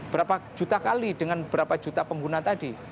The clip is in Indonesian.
berapa juta kali dengan berapa juta pengguna tadi